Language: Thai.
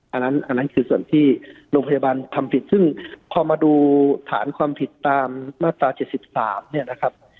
อันนั้นคือส่วนที่โรงพยาบาลทำผิดซึ่งพอมาดูฐานความผิดตามมาตรา๗๓เนี่ยนะครับ